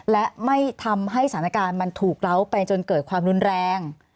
และไม่ทำให้สถานการณ์มันถูกเล้าไปจนเกิดความรุนแรง